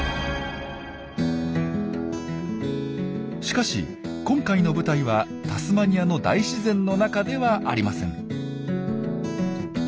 しかし今回の舞台はタスマニアの大自然の中ではありません。